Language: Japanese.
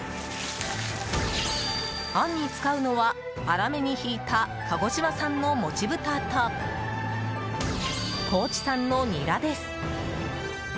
あんに使うのは粗めにひいた鹿児島産のもち豚と高知産のニラです。